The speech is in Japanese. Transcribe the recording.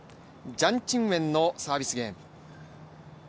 ジャン・チンウェンのサービスゲーム。